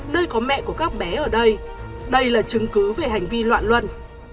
nơi có mẹ của các bé ở đây đây là chứng cứ về hành vi loạn luân